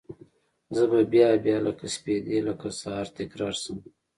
زه به بیا، بیا لکه سپیدې لکه سهار، تکرار شم